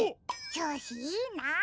ちょうしいいな。